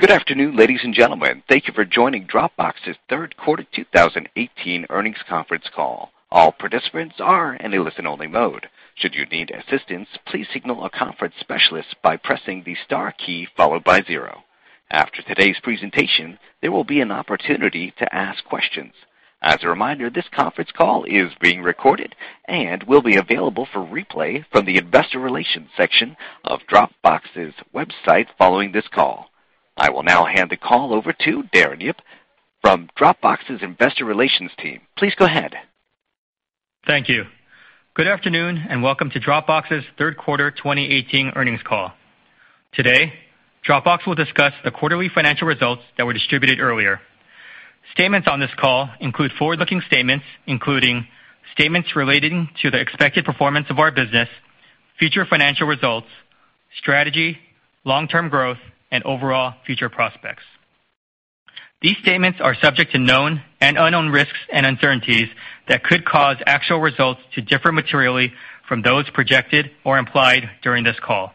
Good afternoon, ladies and gentlemen. Thank you for joining Dropbox's third quarter 2018 earnings conference call. All participants are in a listen-only mode. Should you need assistance, please signal a conference specialist by pressing the star key followed by zero. After today's presentation, there will be an opportunity to ask questions. As a reminder, this conference call is being recorded and will be available for replay from the investor relations section of Dropbox's website following this call. I will now hand the call over to Darren Yip from Dropbox's investor relations team. Please go ahead. Thank you. Good afternoon, and welcome to Dropbox's third quarter 2018 earnings call. Today, Dropbox will discuss the quarterly financial results that were distributed earlier. Statements on this call include forward-looking statements, including statements relating to the expected performance of our business, future financial results, strategy, long-term growth, and overall future prospects. These statements are subject to known and unknown risks and uncertainties that could cause actual results to differ materially from those projected or implied during this call.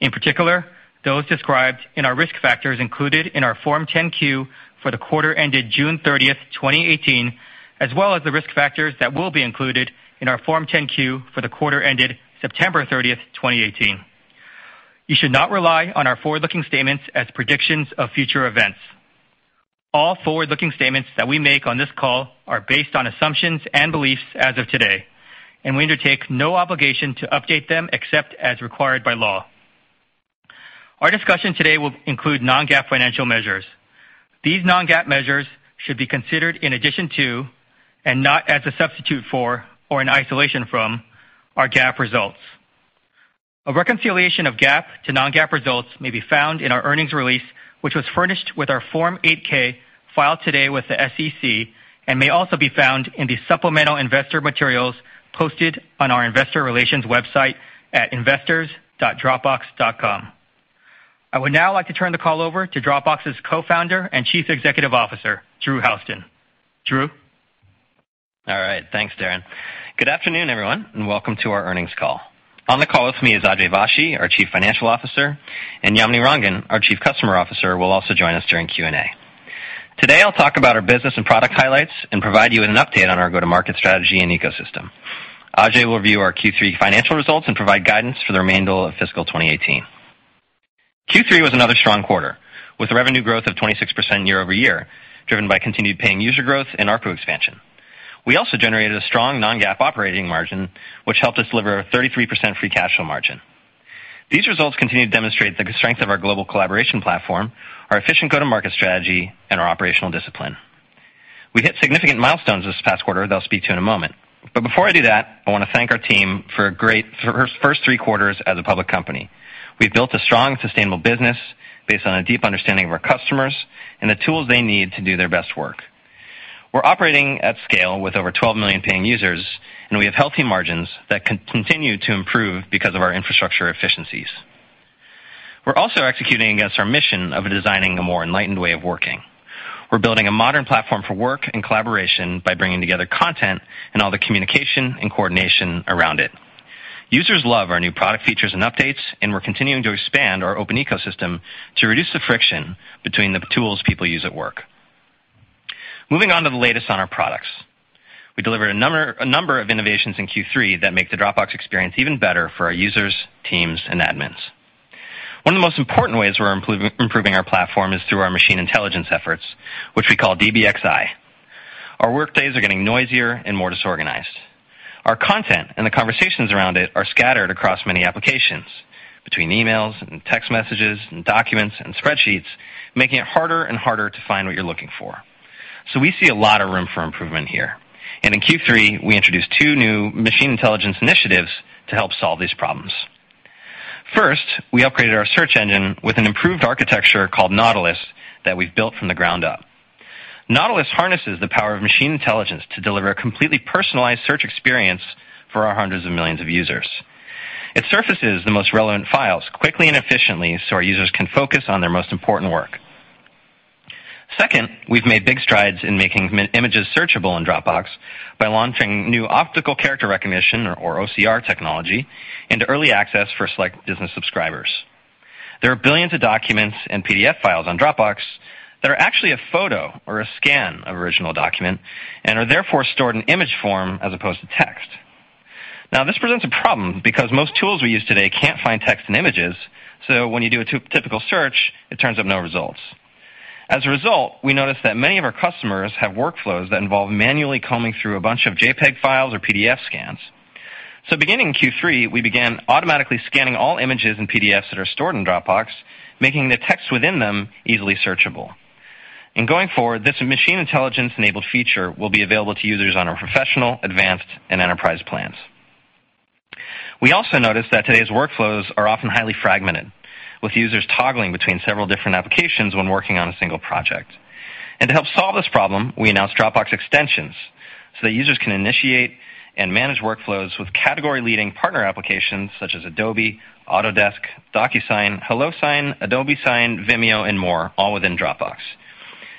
In particular, those described in our risk factors included in our Form 10-Q for the quarter ended June 30th, 2018, as well as the risk factors that will be included in our Form 10-Q for the quarter ended September 30th, 2018. You should not rely on our forward-looking statements as predictions of future events. All forward-looking statements that we make on this call are based on assumptions and beliefs as of today. We undertake no obligation to update them except as required by law. Our discussion today will include non-GAAP financial measures. These non-GAAP measures should be considered in addition to, and not as a substitute for, or in isolation from, our GAAP results. A reconciliation of GAAP to non-GAAP results may be found in our earnings release, which was furnished with our Form 8-K filed today with the SEC and may also be found in the supplemental investor materials posted on our investor relations website at investors.dropbox.com. I would now like to turn the call over to Dropbox's Co-Founder and Chief Executive Officer, Drew Houston. Drew? All right. Thanks, Darren. Good afternoon, everyone, and welcome to our earnings call. On the call with me is Ajay Vashee, our Chief Financial Officer, and Yamini Rangan, our Chief Customer Officer, will also join us during Q&A. Today, I'll talk about our business and product highlights and provide you with an update on our go-to-market strategy and ecosystem. Ajay will review our Q3 financial results and provide guidance for the remainder of fiscal 2018. Q3 was another strong quarter, with revenue growth of 26% year-over-year, driven by continued paying user growth and ARPU expansion. We also generated a strong non-GAAP operating margin, which helped us deliver a 33% free cash flow margin. These results continue to demonstrate the strength of our global collaboration platform, our efficient go-to-market strategy, and our operational discipline. We hit significant milestones this past quarter that I'll speak to in a moment. Before I do that, I want to thank our team for a great first three quarters as a public company. We've built a strong, sustainable business based on a deep understanding of our customers and the tools they need to do their best work. We're operating at scale with over 12 million paying users, and we have healthy margins that continue to improve because of our infrastructure efficiencies. We're also executing against our mission of designing a more enlightened way of working. We're building a modern platform for work and collaboration by bringing together content and all the communication and coordination around it. Users love our new product features and updates, and we're continuing to expand our open ecosystem to reduce the friction between the tools people use at work. Moving on to the latest on our products. We delivered a number of innovations in Q3 that make the Dropbox experience even better for our users, teams, and admins. One of the most important ways we're improving our platform is through our machine intelligence efforts, which we call DBXi. Our workdays are getting noisier and more disorganized. Our content and the conversations around it are scattered across many applications, between emails and text messages and documents and spreadsheets, making it harder and harder to find what you're looking for. We see a lot of room for improvement here. In Q3, we introduced two new machine intelligence initiatives to help solve these problems. First, we upgraded our search engine with an improved architecture called Nautilus that we've built from the ground up. Nautilus harnesses the power of machine intelligence to deliver a completely personalized search experience for our hundreds of millions of users. It surfaces the most relevant files quickly and efficiently so our users can focus on their most important work. Second, we've made big strides in making images searchable in Dropbox by launching new optical character recognition, or OCR technology, into early access for select business subscribers. There are billions of documents and PDF files on Dropbox that are actually a photo or a scan of original document and are therefore stored in image form as opposed to text. This presents a problem because most tools we use today can't find text in images, so when you do a typical search, it turns up no results. As a result, we noticed that many of our customers have workflows that involve manually combing through a bunch of JPEG files or PDF scans. Beginning in Q3, we began automatically scanning all images and PDFs that are stored in Dropbox, making the text within them easily searchable. In going forward, this machine intelligence-enabled feature will be available to users on our professional, advanced, and enterprise plans. We also noticed that today's workflows are often highly fragmented, with users toggling between several different applications when working on a single project. To help solve this problem, we announced Dropbox Extensions so that users can initiate and manage workflows with category-leading partner applications such as Adobe, Autodesk, DocuSign, HelloSign, Adobe Sign, Vimeo, and more, all within Dropbox.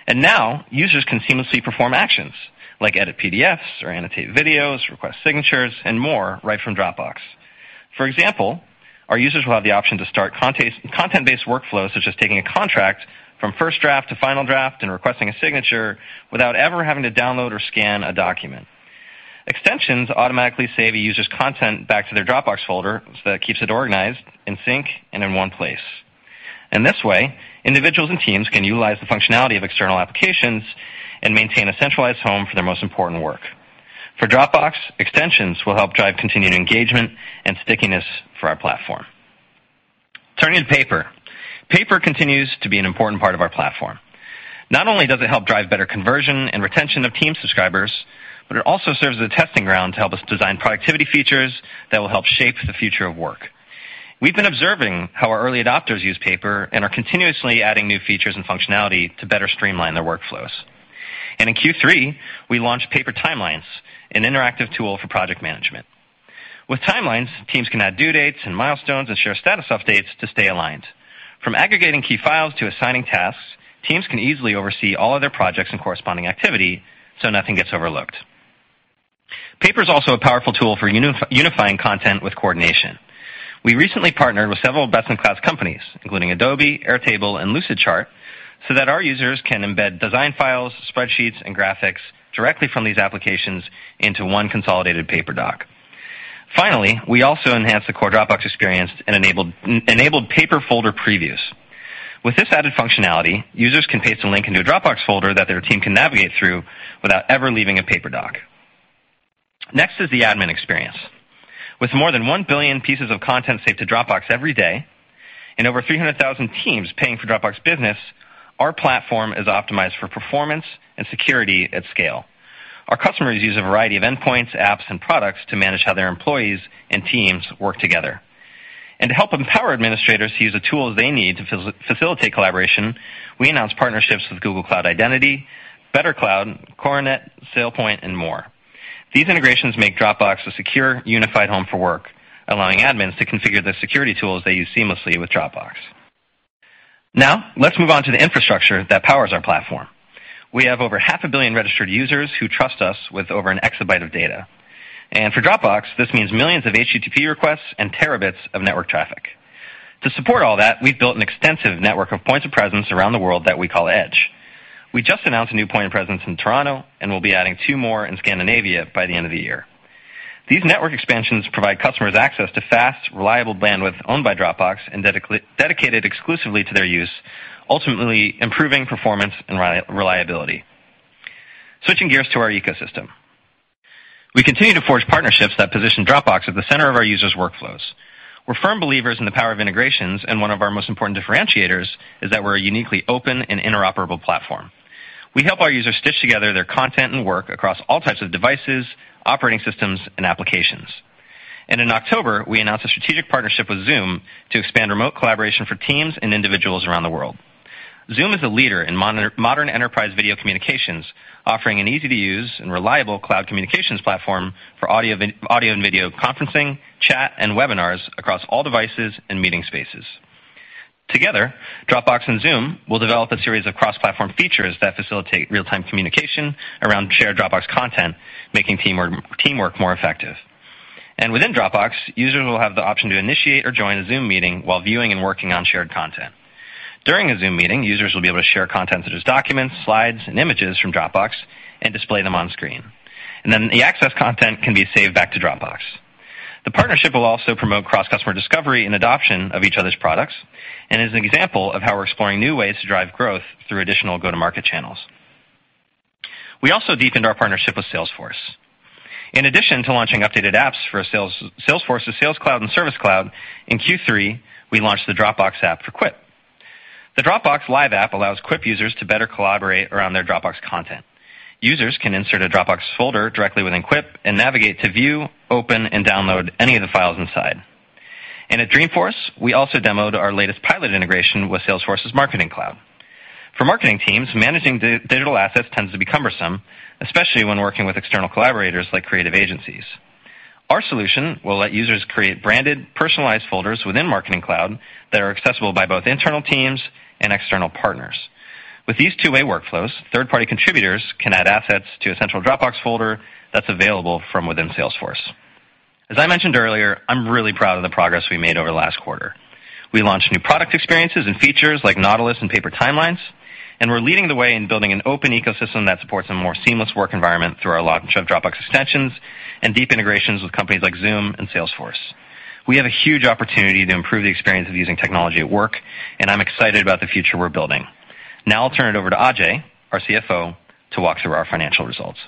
Now users can seamlessly perform actions like edit PDFs or annotate videos, request signatures, and more right from Dropbox. For example, our users will have the option to start content-based workflows, such as taking a contract from first draft to final draft and requesting a signature without ever having to download or scan a document. Extensions automatically save a user's content back to their Dropbox folder, that keeps it organized, in sync, and in one place. In this way, individuals and teams can utilize the functionality of external applications and maintain a centralized home for their most important work. For Dropbox, extensions will help drive continued engagement and stickiness for our platform. Turning to Paper. Paper continues to be an important part of our platform. Not only does it help drive better conversion and retention of team subscribers, it also serves as a testing ground to help us design productivity features that will help shape the future of work. We've been observing how our early adopters use Paper are continuously adding new features and functionality to better streamline their workflows. In Q3, we launched Paper Timelines, an interactive tool for project management. With Timelines, teams can add due dates and milestones and share status updates to stay aligned. From aggregating key files to assigning tasks, teams can easily oversee all of their projects and corresponding activity so nothing gets overlooked. Paper's also a powerful tool for unifying content with coordination. We recently partnered with several best-in-class companies, including Adobe, Airtable, and Lucidchart, that our users can embed design files, spreadsheets, and graphics directly from these applications into one consolidated Paper doc. Finally, we also enhanced the core Dropbox experience and enabled Paper folder previews. With this added functionality, users can paste a link into a Dropbox folder that their team can navigate through without ever leaving a Paper doc. Next is the admin experience. With more than one billion pieces of content saved to Dropbox every day and over 300,000 teams paying for Dropbox Business, our platform is optimized for performance and security at scale. Our customers use a variety of endpoints, apps, and products to manage how their employees and teams work together. To help empower administrators to use the tools they need to facilitate collaboration, we announced partnerships with Google Cloud Identity, BetterCloud, Coronet, SailPoint, and more. These integrations make Dropbox a secure, unified home for work, allowing admins to configure the security tools they use seamlessly with Dropbox. Now, let's move on to the infrastructure that powers our platform. We have over half a billion registered users who trust us with over an exabyte of data. For Dropbox, this means millions of HTTP requests and terabits of network traffic. To support all that, we've built an extensive network of points of presence around the world that we call Edge. We just announced a new point of presence in Toronto, we'll be adding two more in Scandinavia by the end of the year. These network expansions provide customers access to fast, reliable bandwidth owned by Dropbox and dedicated exclusively to their use, ultimately improving performance and reliability. Switching gears to our ecosystem. We continue to forge partnerships that position Dropbox at the center of our users' workflows. We're firm believers in the power of integrations, one of our most important differentiators is that we're a uniquely open and interoperable platform. We help our users stitch together their content and work across all types of devices, operating systems, and applications. In October, we announced a strategic partnership with Zoom to expand remote collaboration for teams and individuals around the world. Zoom is a leader in modern enterprise video communications, offering an easy-to-use and reliable cloud communications platform for audio and video conferencing, chat, and webinars across all devices and meeting spaces. Together, Dropbox and Zoom will develop a series of cross-platform features that facilitate real-time communication around shared Dropbox content, making teamwork more effective. Within Dropbox, users will have the option to initiate or join a Zoom meeting while viewing and working on shared content. During a Zoom meeting, users will be able to share content such as documents, slides, and images from Dropbox and display them on screen. The access content can be saved back to Dropbox. The partnership will also promote cross-customer discovery and adoption of each other's products and is an example of how we're exploring new ways to drive growth through additional go-to-market channels. We also deepened our partnership with Salesforce. In addition to launching updated apps for Salesforce's Sales Cloud and Service Cloud, in Q3, we launched the Dropbox app for Quip. The Dropbox live app allows Quip users to better collaborate around their Dropbox content. Users can insert a Dropbox folder directly within Quip and navigate to view, open, and download any of the files inside. At Dreamforce, we also demoed our latest pilot integration with Salesforce's Marketing Cloud. For marketing teams, managing digital assets tends to be cumbersome, especially when working with external collaborators like creative agencies. Our solution will let users create branded, personalized folders within Marketing Cloud that are accessible by both internal teams and external partners. With these two-way workflows, third-party contributors can add assets to a central Dropbox folder that's available from within Salesforce. As I mentioned earlier, I'm really proud of the progress we made over the last quarter. We launched new product experiences and features like Nautilus and Paper Timelines, and we're leading the way in building an open ecosystem that supports a more seamless work environment through our launch of Dropbox Extensions and deep integrations with companies like Zoom and Salesforce. We have a huge opportunity to improve the experience of using technology at work, and I'm excited about the future we're building. Now I'll turn it over to Ajay, our CFO, to walk through our financial results.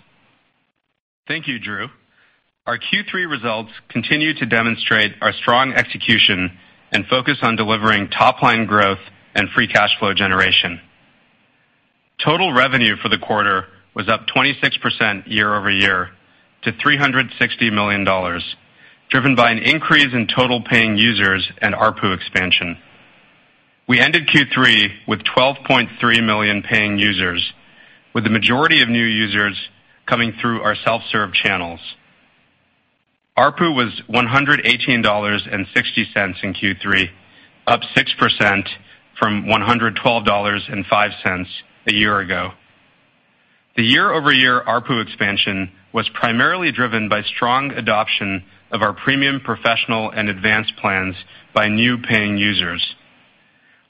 Thank you, Drew. Our Q3 results continue to demonstrate our strong execution and focus on delivering top-line growth and free cash flow generation. Total revenue for the quarter was up 26% year-over-year to $360 million, driven by an increase in total paying users and ARPU expansion. We ended Q3 with 12.3 million paying users, with the majority of new users coming through our self-serve channels. ARPU was $118.60 in Q3, up 6% from $112.05 a year ago. The year-over-year ARPU expansion was primarily driven by strong adoption of our premium professional and advanced plans by new paying users.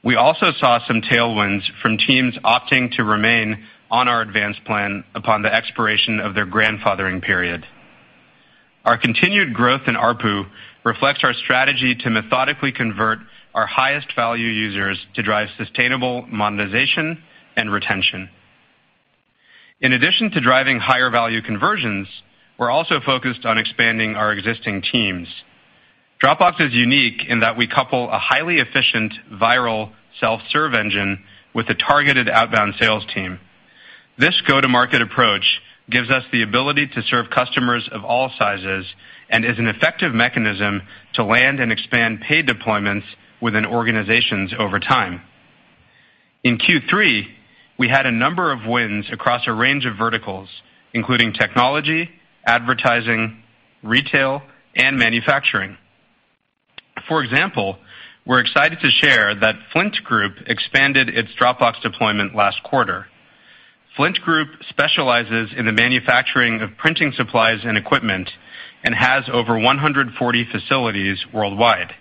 We also saw some tailwinds from teams opting to remain on our advanced plan upon the expiration of their grandfathering period. Our continued growth in ARPU reflects our strategy to methodically convert our highest value users to drive sustainable monetization and retention. In addition to driving higher value conversions, we're also focused on expanding our existing teams. Dropbox is unique in that we couple a highly efficient viral self-serve engine with a targeted outbound sales team. This go-to-market approach gives us the ability to serve customers of all sizes and is an effective mechanism to land and expand paid deployments within organizations over time. In Q3, we had a number of wins across a range of verticals, including technology, advertising, retail, and manufacturing. For example, we're excited to share that Flint Group expanded its Dropbox deployment last quarter. Flint Group specializes in the manufacturing of printing supplies and equipment and has over 140 facilities worldwide.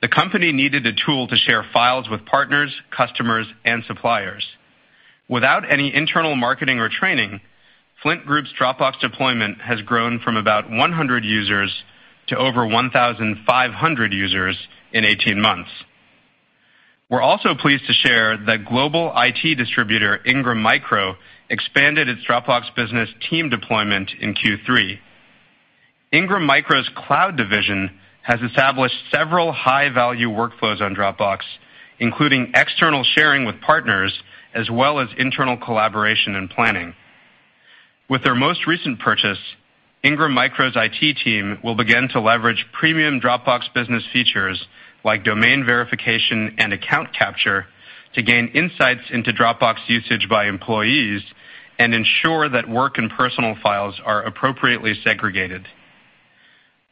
The company needed a tool to share files with partners, customers, and suppliers. Without any internal marketing or training, Flint Group's Dropbox deployment has grown from about 100 users to over 1,500 users in 18 months. We're also pleased to share that global IT distributor, Ingram Micro, expanded its Dropbox Business team deployment in Q3. Ingram Micro's cloud division has established several high-value workflows on Dropbox, including external sharing with partners, as well as internal collaboration and planning. With their most recent purchase, Ingram Micro's IT team will begin to leverage premium Dropbox Business features like domain verification and account capture to gain insights into Dropbox usage by employees and ensure that work and personal files are appropriately segregated.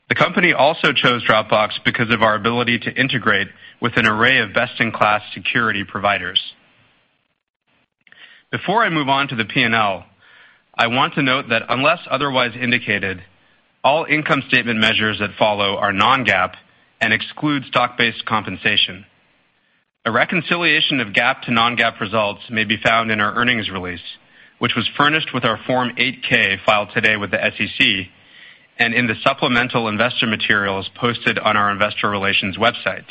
The company also chose Dropbox because of our ability to integrate with an array of best-in-class security providers. Before I move on to the P&L, I want to note that unless otherwise indicated, all income statement measures that follow are non-GAAP and exclude stock-based compensation. A reconciliation of GAAP to non-GAAP results may be found in our earnings release, which was furnished with our Form 8-K filed today with the SEC and in the supplemental investor materials posted on our investor relations website.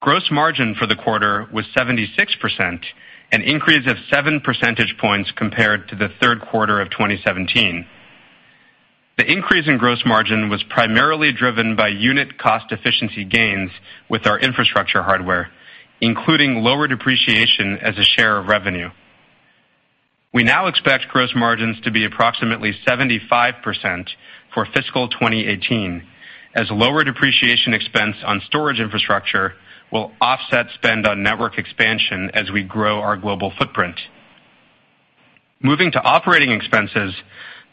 Gross margin for the quarter was 76%, an increase of seven percentage points compared to the third quarter of 2017. The increase in gross margin was primarily driven by unit cost efficiency gains with our infrastructure hardware, including lower depreciation as a share of revenue. We now expect gross margins to be approximately 75% for fiscal 2018, as lower depreciation expense on storage infrastructure will offset spend on network expansion as we grow our global footprint. Moving to operating expenses,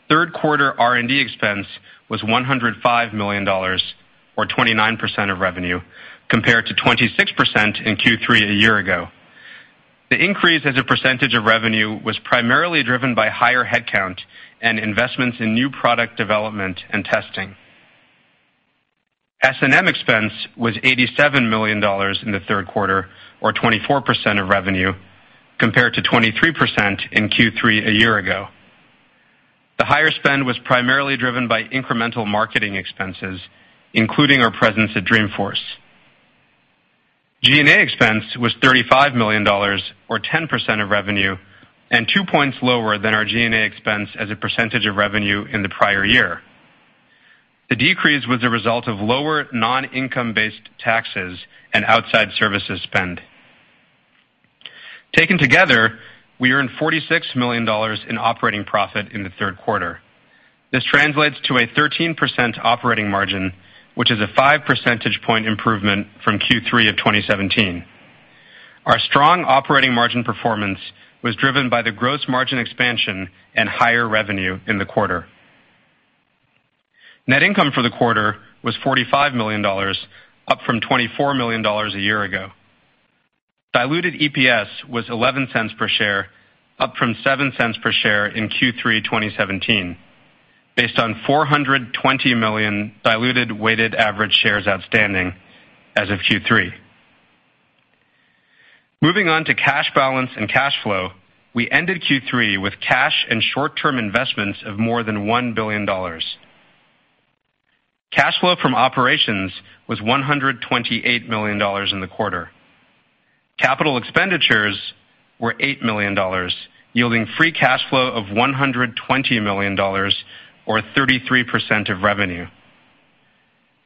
third quarter R&D expense was $105 million, or 29% of revenue, compared to 26% in Q3 a year ago. The increase as a percentage of revenue was primarily driven by higher headcount and investments in new product development and testing. S&M expense was $87 million in the third quarter, or 24% of revenue, compared to 23% in Q3 a year ago. The higher spend was primarily driven by incremental marketing expenses, including our presence at Dreamforce. G&A expense was $35 million, or 10% of revenue, and two points lower than our G&A expense as a percentage of revenue in the prior year. The decrease was a result of lower non-income-based taxes and outside services spend. Taken together, we earned $46 million in operating profit in the third quarter. This translates to a 13% operating margin, which is a five percentage point improvement from Q3 of 2017. Our strong operating margin performance was driven by the gross margin expansion and higher revenue in the quarter. Net income for the quarter was $45 million, up from $24 million a year ago. Diluted EPS was $0.11 per share, up from $0.07 per share in Q3 2017, based on 420 million diluted weighted average shares outstanding as of Q3. Moving on to cash balance and cash flow, we ended Q3 with cash and short-term investments of more than $1 billion. Cash flow from operations was $128 million in the quarter. Capital expenditures were $8 million, yielding free cash flow of $120 million, or 33% of revenue.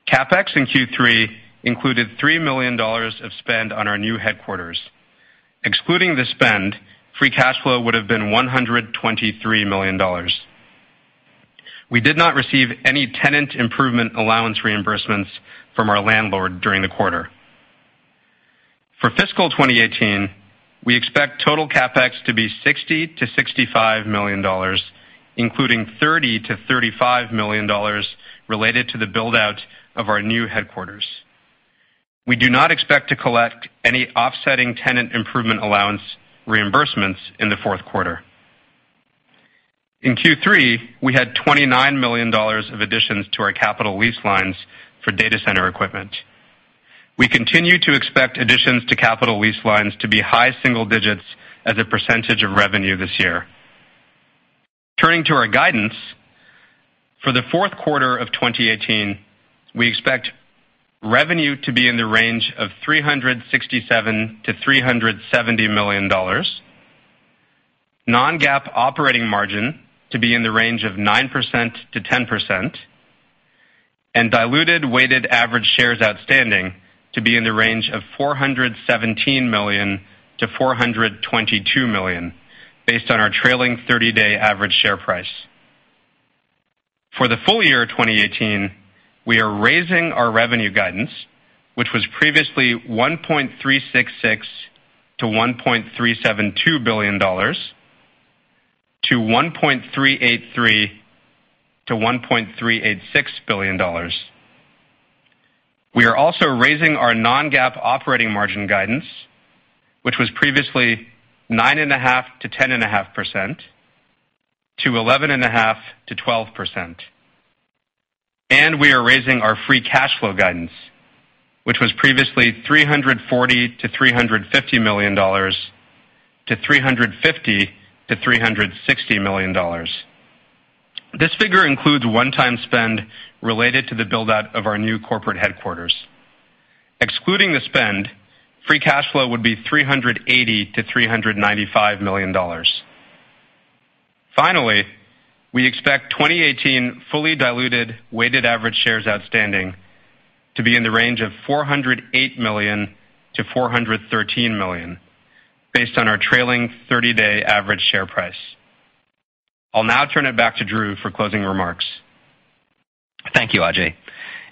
CapEx in Q3 included $3 million of spend on our new headquarters. Excluding the spend, free cash flow would have been $123 million. We did not receive any tenant improvement allowance reimbursements from our landlord during the quarter. For fiscal 2018, we expect total CapEx to be $60 million-$65 million, including $30 million-$35 million related to the build-out of our new headquarters. We do not expect to collect any offsetting tenant improvement allowance reimbursements in the fourth quarter. In Q3, we had $29 million of additions to our capital lease lines for data center equipment. We continue to expect additions to capital lease lines to be high single digits as a percentage of revenue this year. Turning to our guidance, for the fourth quarter of 2018, we expect revenue to be in the range of $367 million-$370 million, non-GAAP operating margin to be in the range of 9%-10%, and diluted weighted average shares outstanding to be in the range of 417 million-422 million, based on our trailing 30-day average share price. For the full year of 2018, we are raising our revenue guidance, which was previously $1.366 billion-$1.372 billion, to $1.383 billion-$1.386 billion. We are also raising our non-GAAP operating margin guidance, which was previously 9.5%-10.5%, to 11.5%-12%. We are raising our free cash flow guidance, which was previously $340 million-$350 million, to $350 million-$360 million. This figure includes one-time spend related to the build-out of our new corporate headquarters. Excluding the spend, free cash flow would be $380 million-$395 million. Finally, we expect 2018 fully diluted weighted average shares outstanding to be in the range of 408 million-413 million, based on our trailing 30-day average share price. I'll now turn it back to Drew for closing remarks. Thank you, Ajay.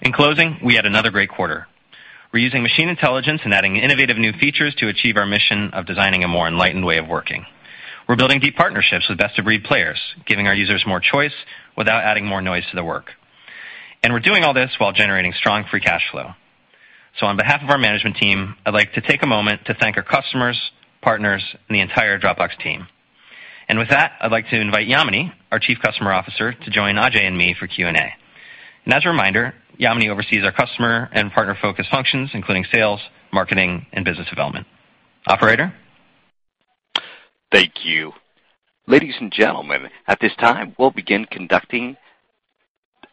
In closing, we had another great quarter. We're using machine intelligence and adding innovative new features to achieve our mission of designing a more enlightened way of working. We're building deep partnerships with best-of-breed players, giving our users more choice without adding more noise to their work. We're doing all this while generating strong free cash flow. On behalf of our management team, I'd like to take a moment to thank our customers, partners, and the entire Dropbox team. With that, I'd like to invite Yamini, our chief customer officer, to join Ajay and me for Q&A. As a reminder, Yamini oversees our customer and partner-focused functions, including sales, marketing, and business development. Operator? Thank you. Ladies and gentlemen, at this time, we'll begin conducting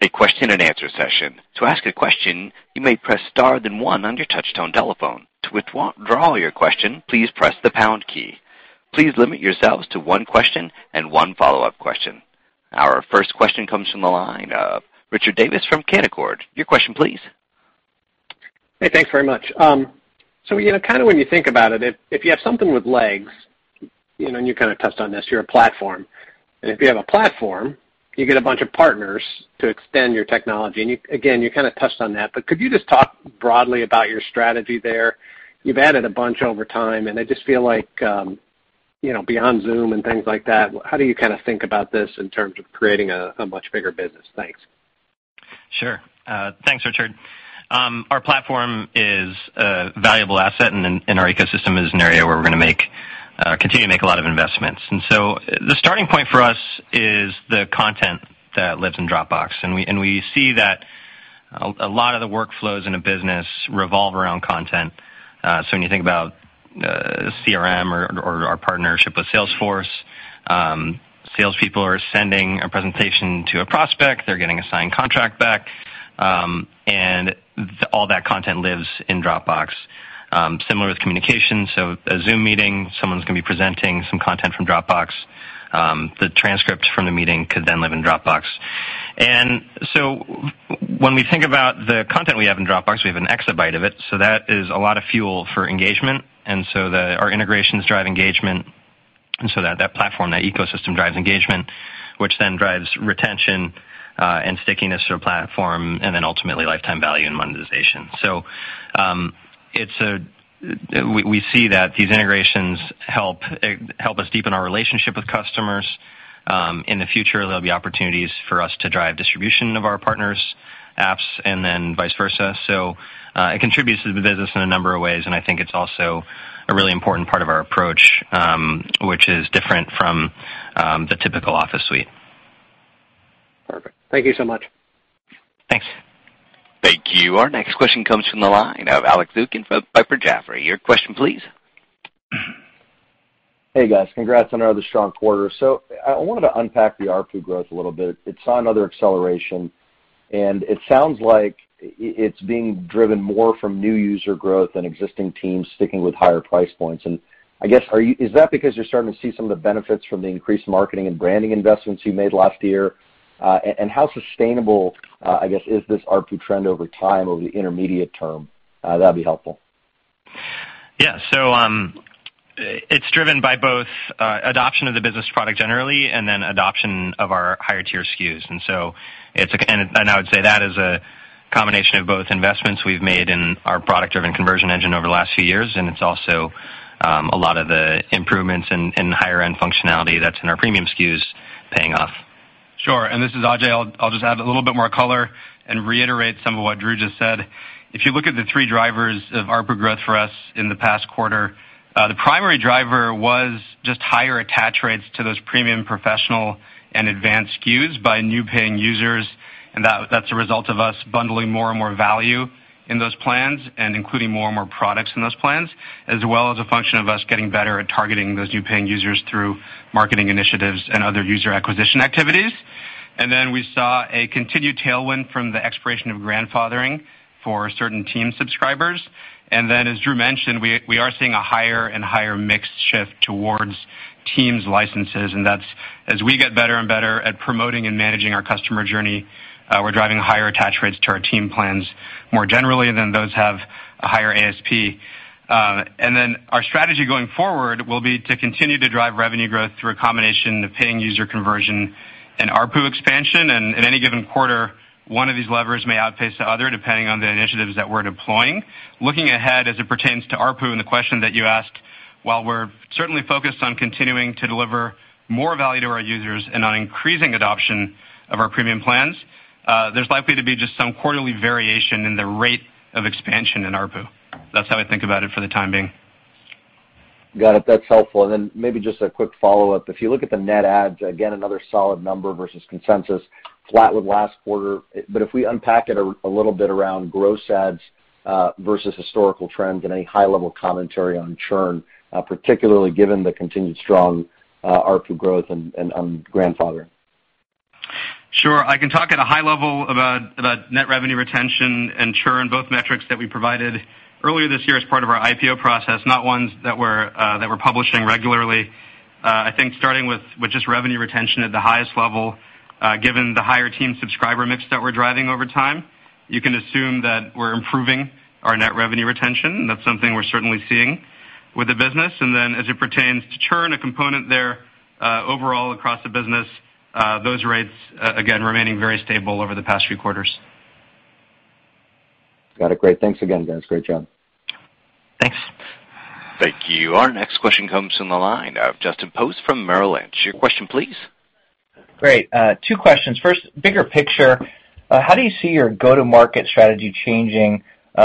a question and answer session. To ask a question, you may press star then one on your touch-tone telephone. To withdraw your question, please press the pound key. Please limit yourselves to one question and one follow-up question. Our first question comes from the line of Richard Davis from Canaccord. Your question, please. Hey, thanks very much. Kind of when you think about it, if you have something with legs, and you kind of touched on this, you're a platform. If you have a platform, you get a bunch of partners to extend your technology. Again, you kind of touched on that, but could you just talk broadly about your strategy there? You've added a bunch over time, and I just feel like, beyond Zoom and things like that, how do you kind of think about this in terms of creating a much bigger business? Thanks. Sure. Thanks, Richard. Our platform is a valuable asset, and our ecosystem is an area where we're going to continue to make a lot of investments. The starting point for us is the content that lives in Dropbox, and we see that a lot of the workflows in a business revolve around content. When you think about CRM or our partnership with Salesforce, salespeople are sending a presentation to a prospect, they're getting a signed contract back, and all that content lives in Dropbox. Similar with communication, a Zoom meeting, someone's going to be presenting some content from Dropbox. The transcript from the meeting could then live in Dropbox. When we think about the content we have in Dropbox, we have an exabyte of it, that is a lot of fuel for engagement. Our integrations drive engagement, that platform, that ecosystem, drives engagement, which drives retention and stickiness to the platform, ultimately lifetime value and monetization. We see that these integrations help us deepen our relationship with customers. In the future, there'll be opportunities for us to drive distribution of our partners' apps, vice versa. It contributes to the business in a number of ways, and I think it's also a really important part of our approach, which is different from the typical Office suite. Perfect. Thank you so much. Thanks. Thank you. Our next question comes from the line of Alex Zukin from Piper Jaffray. Your question, please. Hey, guys. Congrats on another strong quarter. I wanted to unpack the ARPU growth a little bit. It saw another acceleration, and it sounds like it's being driven more from new user growth than existing teams sticking with higher price points. I guess, is that because you're starting to see some of the benefits from the increased marketing and branding investments you made last year? How sustainable, I guess, is this ARPU trend over time, over the intermediate term? That'd be helpful. Yeah. It's driven by both adoption of the business product generally and then adoption of our higher-tier SKUs. I would say that is a combination of both investments we've made in our product-driven conversion engine over the last few years, and it's also a lot of the improvements in the higher-end functionality that's in our premium SKUs paying off. Sure. This is Ajay Vashee. I'll just add a little bit more color and reiterate some of what Drew just said. If you look at the three drivers of ARPU growth for us in the past quarter, the primary driver was just higher attach rates to those premium professional and advanced SKUs by new paying users, and that's a result of us bundling more and more value in those plans and including more and more products in those plans, as well as a function of us getting better at targeting those new paying users through marketing initiatives and other user acquisition activities. We saw a continued tailwind from the expiration of grandfathering for certain team subscribers. As Drew mentioned, we are seeing a higher and higher mix shift towards teams licenses, and that's as we get better and better at promoting and managing our customer journey, we're driving higher attach rates to our team plans more generally than those have a higher ASP. Our strategy going forward will be to continue to drive revenue growth through a combination of paying user conversion and ARPU expansion. At any given quarter, one of these levers may outpace the other, depending on the initiatives that we're deploying. Looking ahead as it pertains to ARPU and the question that you asked, while we're certainly focused on continuing to deliver more value to our users and on increasing adoption of our premium plans, there's likely to be just some quarterly variation in the rate of expansion in ARPU. That's how I think about it for the time being. Got it. That's helpful. Maybe just a quick follow-up. If you look at the net adds, again, another solid number versus consensus, flat with last quarter. If we unpack it a little bit around gross adds versus historical trends and any high-level commentary on churn, particularly given the continued strong ARPU growth and grandfathering? Sure. I can talk at a high level about net revenue retention and churn, both metrics that we provided earlier this year as part of our IPO process, not ones that we're publishing regularly. I think starting with just revenue retention at the highest level, given the higher team subscriber mix that we're driving over time, you can assume that we're improving our net revenue retention. That's something we're certainly seeing with the business. Then as it pertains to churn, a component there, overall, across the business, those rates, again, remaining very stable over the past few quarters. Got it. Great. Thanks again, guys. Great job. Thanks. Thank you. Our next question comes from the line of Justin Post from Merrill Lynch. Your question, please. Great. Two questions. First, bigger picture, how do you see your go-to-market strategy changing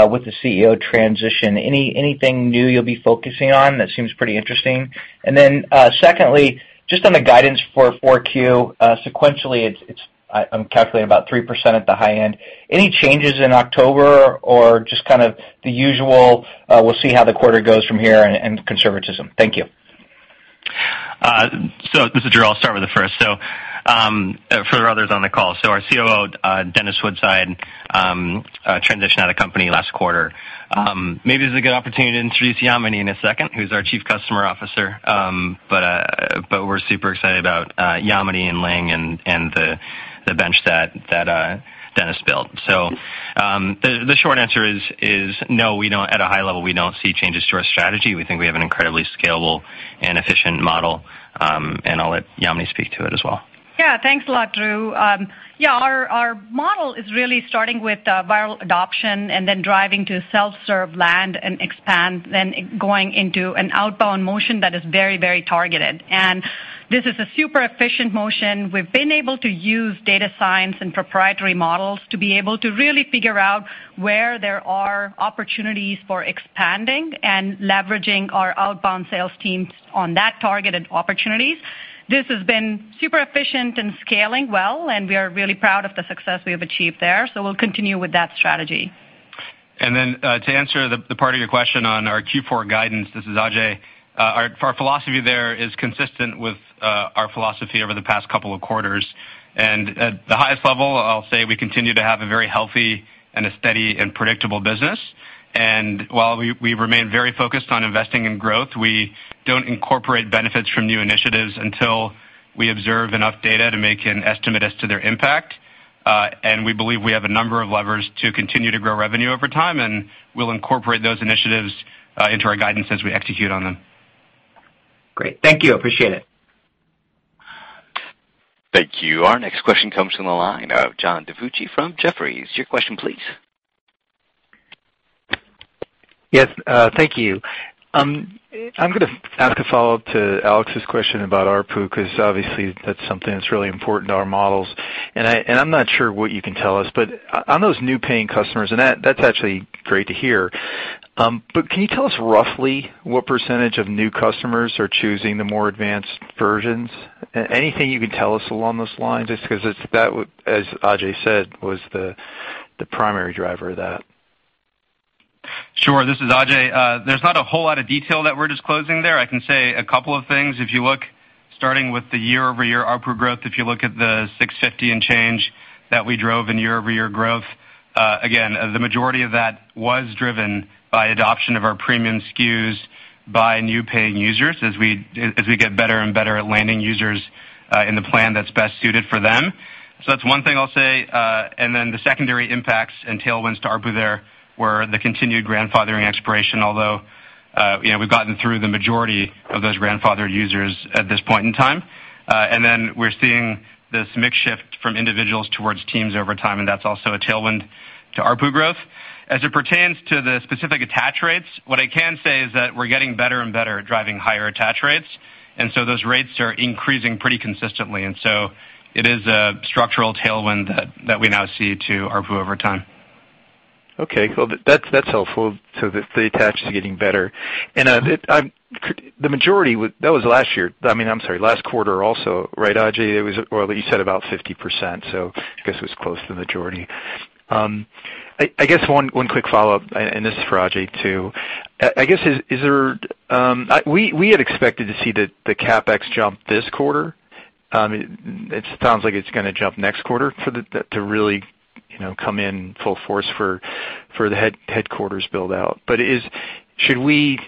with the CEO transition? Anything new you'll be focusing on that seems pretty interesting? Then, secondly, just on the guidance for 4Q, sequentially, I'm calculating about 3% at the high end. Any changes in October or just kind of the usual, we'll see how the quarter goes from here and conservatism? Thank you. This is Drew. I'll start with the first. For others on the call, our Chief Operating Officer, Dennis Woodside, transitioned out of company last quarter. Maybe this is a good opportunity to introduce Yamini in a second, who is our Chief Customer Officer. We're super excited about Yamini and Ling and the bench that Dennis built. The short answer is no, at a high level, we don't see changes to our strategy. We think we have an incredibly scalable and efficient model. I'll let Yamini speak to it as well. Thanks a lot, Drew. Our model is really starting with viral adoption and then driving to self-serve land and expand, then going into an outbound motion that is very targeted. This is a super efficient motion. We've been able to use data science and proprietary models to be able to really figure out where there are opportunities for expanding and leveraging our outbound sales teams on that targeted opportunities. This has been super efficient and scaling well, and we are really proud of the success we have achieved there. We'll continue with that strategy. To answer the part of your question on our Q4 guidance, this is Ajay. Our philosophy there is consistent with our philosophy over the past couple of quarters. At the highest level, I'll say we continue to have a very healthy and a steady and predictable business. While we remain very focused on investing in growth, we don't incorporate benefits from new initiatives until we observe enough data to make an estimate as to their impact. We believe we have a number of levers to continue to grow revenue over time, and we'll incorporate those initiatives into our guidance as we execute on them. Great. Thank you. Appreciate it. Thank you. Our next question comes from the line of John DiFucci from Jefferies. Your question, please. Yes. Thank you. I'm going to ask a follow-up to Alex's question about ARPU, because obviously that's something that's really important to our models. I'm not sure what you can tell us, but on those new paying customers, and that's actually great to hear, but can you tell us roughly what % of new customers are choosing the more advanced versions? Anything you can tell us along those lines, just because that, as Ajay said, was the primary driver of that. Sure. This is Ajay. There's not a whole lot of detail that we're disclosing there. I can say a couple of things. If you look starting with the year-over-year ARPU growth, if you look at the $650 and change that we drove in year-over-year growth, again, the majority of that was driven by adoption of our premium SKUs by new paying users as we get better and better at landing users in the plan that's best suited for them. That's one thing I'll say. The secondary impacts and tailwinds to ARPU there were the continued grandfathering expiration, although we've gotten through the majority of those grandfathered users at this point in time. We're seeing this mix shift from individuals towards teams over time, and that's also a tailwind to ARPU growth. As it pertains to the specific attach rates, what I can say is that we're getting better and better at driving higher attach rates, and so those rates are increasing pretty consistently. It is a structural tailwind that we now see to ARPU over time. Okay. Cool. That's helpful. The attach is getting better. The majority, that was last year. I'm sorry, last quarter also, right, Ajay? Well, you said about 50%, I guess it was close to the majority. I guess one quick follow-up, and this is for Ajay, too. We had expected to see the CapEx jump this quarter. It sounds like it's going to jump next quarter to really come in full force for the headquarters build-out. Should we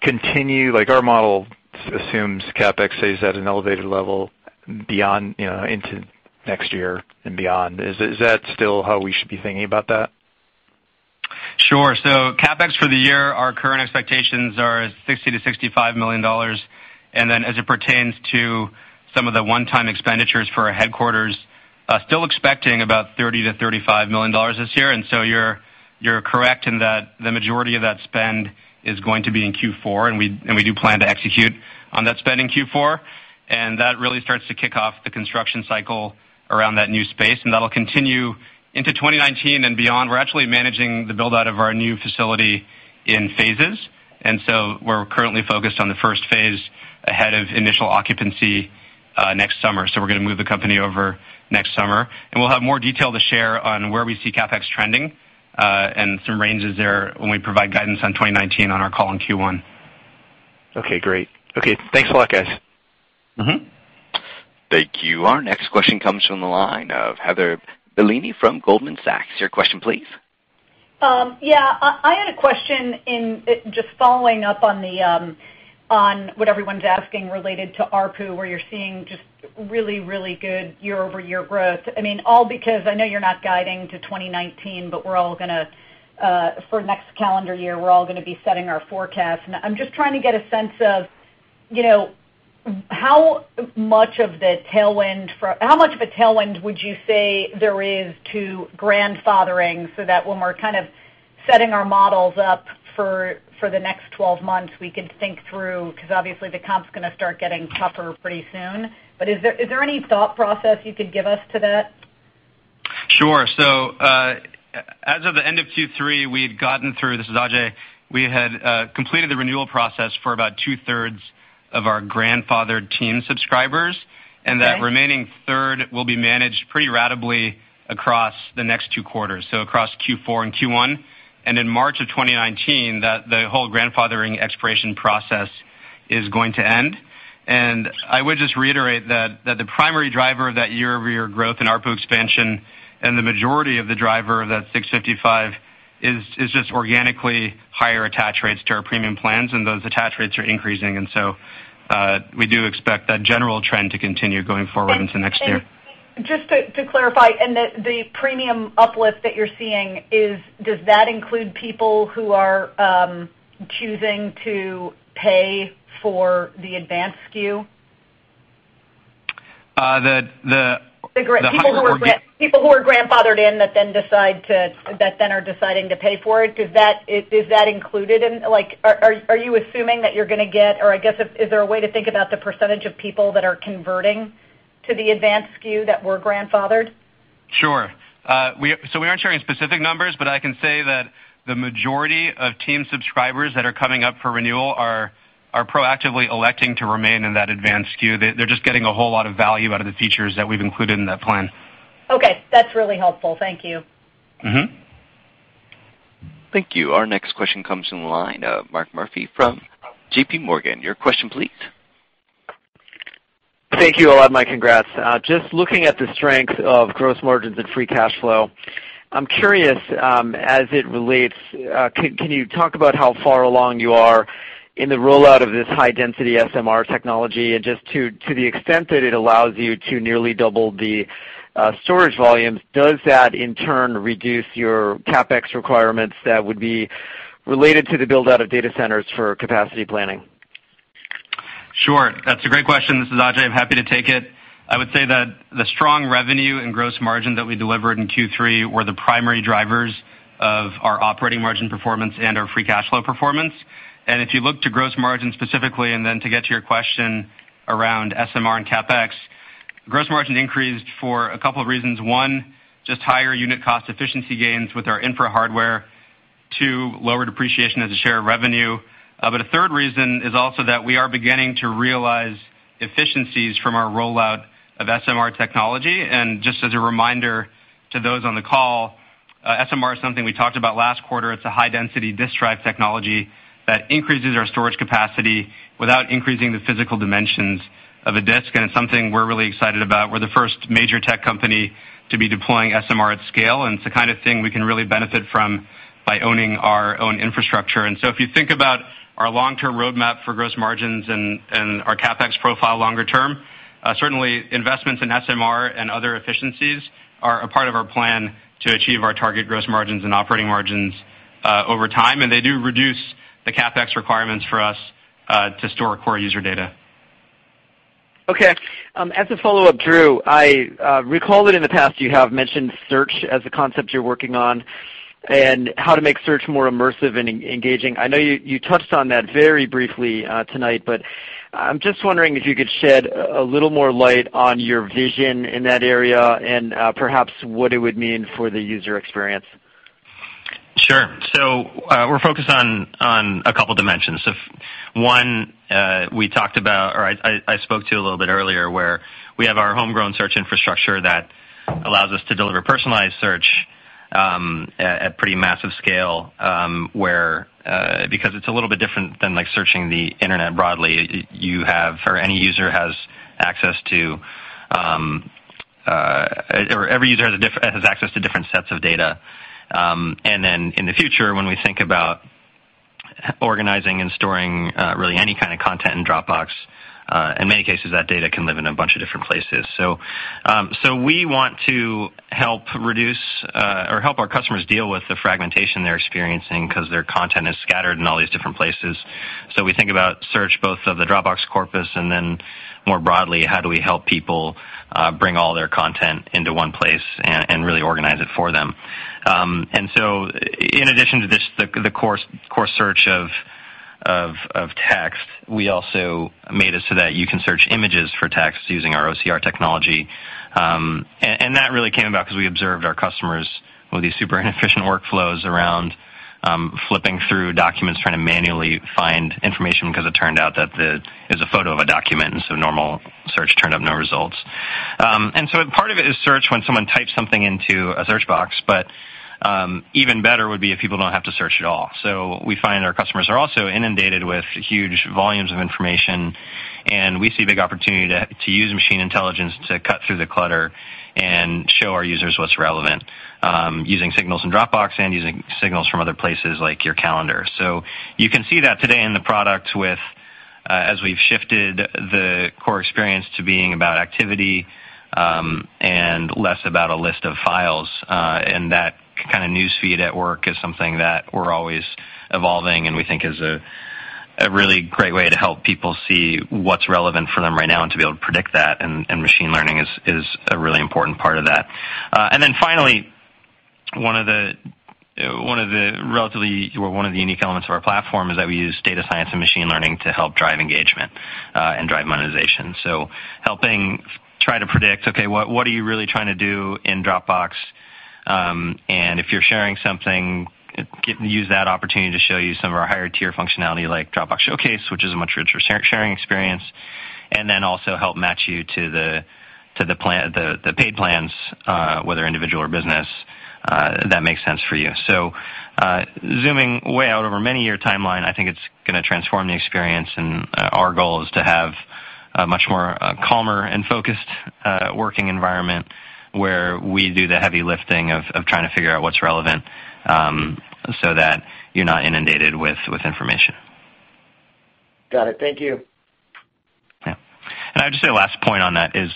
continue? Our model assumes CapEx stays at an elevated level into next year and beyond. Is that still how we should be thinking about that? Sure. CapEx for the year, our current expectations are $60 million-$65 million. Then as it pertains to some of the one-time expenditures for our headquarters, still expecting about $30 million-$35 million this year. You're correct in that the majority of that spend is going to be in Q4, and we do plan to execute on that spend in Q4. That really starts to kick off the construction cycle around that new space, and that'll continue into 2019 and beyond. We're actually managing the build-out of our new facility in phases, we're currently focused on the first phase ahead of initial occupancy next summer. We're going to move the company over next summer. We'll have more detail to share on where we see CapEx trending, and some ranges there when we provide guidance on 2019 on our call in Q1. Okay, great. Okay, thanks a lot, guys. Thank you. Our next question comes from the line of Heather Bellini from Goldman Sachs. Your question, please. Yeah. I had a question just following up on what everyone's asking related to ARPU, where you're seeing just really, really good year-over-year growth. I know you're not guiding to 2019, for next calendar year, we're all going to be setting our forecasts. I'm just trying to get a sense of how much of a tailwind would you say there is to grandfathering so that when we're kind of setting our models up for the next 12 months, we could think through, because obviously the comp's going to start getting tougher pretty soon. Is there any thought process you could give us to that? Sure. As of the end of Q3, we had gotten through, this is Ajay, we had completed the renewal process for about two-thirds of our grandfathered team subscribers. Okay. That remaining third will be managed pretty ratably across the next two quarters, so across Q4 and Q1. In March of 2019, the whole grandfathering expiration process is going to end. I would just reiterate that the primary driver of that year-over-year growth in ARPU expansion and the majority of the driver of that 655 is just organically higher attach rates to our premium plans, and those attach rates are increasing. We do expect that general trend to continue going forward into next year. Just to clarify, and the premium uplift that you're seeing, does that include people who are choosing to pay for the advanced SKU? The- The people who are grandfathered in that then are deciding to pay for it, are you assuming that you're going to get, or I guess is there a way to think about the % of people that are converting to the advanced SKU that were grandfathered? Sure. We aren't sharing specific numbers, but I can say that the majority of team subscribers that are coming up for renewal are proactively electing to remain in that advanced SKU. They're just getting a whole lot of value out of the features that we've included in that plan. Okay. That's really helpful. Thank you. Thank you. Our next question comes from the line of Mark Murphy from JPMorgan. Your question please. Thank you, Ajay. My congrats. Just looking at the strength of gross margins and free cash flow, I'm curious, as it relates, can you talk about how far along you are in the rollout of this high-density SMR technology? Just to the extent that it allows you to nearly double the storage volumes, does that in turn reduce your CapEx requirements that would be related to the build-out of data centers for capacity planning? Sure. That's a great question. This is Ajay. I'm happy to take it. I would say that the strong revenue and gross margin that we delivered in Q3 were the primary drivers of our operating margin performance and our free cash flow performance. If you look to gross margin specifically, then to get to your question around SMR and CapEx, gross margin increased for a couple of reasons. One, just higher unit cost efficiency gains with our infra-hardware. Two, lower depreciation as a share of revenue. A third reason is also that we are beginning to realize efficiencies from our rollout of SMR technology. Just as a reminder to those on the call, SMR is something we talked about last quarter. It's a high-density disk drive technology that increases our storage capacity without increasing the physical dimensions of a disk. It's something we're really excited about. We're the first major tech company to be deploying SMR at scale, and it's the kind of thing we can really benefit from By owning our own infrastructure. If you think about our long-term roadmap for gross margins and our CapEx profile longer term, certainly investments in SMR and other efficiencies are a part of our plan to achieve our target gross margins and operating margins over time, and they do reduce the CapEx requirements for us to store core user data. Okay. As a follow-up, Drew, I recall that in the past you have mentioned search as a concept you're working on, and how to make search more immersive and engaging. I know you touched on that very briefly tonight, but I'm just wondering if you could shed a little more light on your vision in that area and perhaps what it would mean for the user experience. Sure. We're focused on a couple dimensions. One, I spoke to a little bit earlier, where we have our homegrown search infrastructure that allows us to deliver personalized search, at pretty massive scale, because it's a little bit different than searching the internet broadly. Every user has access to different sets of data. In the future, when we think about organizing and storing really any kind of content in Dropbox, in many cases, that data can live in a bunch of different places. We want to help our customers deal with the fragmentation they're experiencing because their content is scattered in all these different places. We think about search both of the Dropbox corpus and then more broadly, how do we help people bring all their content into one place and really organize it for them? In addition to this, the core search of text, we also made it so that you can search images for text using our OCR technology. That really came about because we observed our customers with these super inefficient workflows around flipping through documents, trying to manually find information because it turned out that it was a photo of a document, normal search turned up no results. Part of it is search when someone types something into a search box, but even better would be if people don't have to search at all. We find our customers are also inundated with huge volumes of information, and we see a big opportunity to use machine intelligence to cut through the clutter and show our users what's relevant, using signals in Dropbox and using signals from other places like your calendar. You can see that today in the product as we've shifted the core experience to being about activity, and less about a list of files. That kind of news feed at work is something that we're always evolving, and we think is a really great way to help people see what's relevant for them right now and to be able to predict that, machine learning is a really important part of that. Finally, one of the unique elements of our platform is that we use data science and machine learning to help drive engagement, and drive monetization. Helping try to predict, okay, what are you really trying to do in Dropbox? If you're sharing something, use that opportunity to show you some of our higher tier functionality like Dropbox Showcase, which is a much richer sharing experience. Also help match you to the paid plans, whether individual or business, that makes sense for you. Zooming way out over a many-year timeline, I think it's going to transform the experience, and our goal is to have a much more calmer and focused working environment where we do the heavy lifting of trying to figure out what's relevant, so that you're not inundated with information. Got it. Thank you. I'd just say last point on that is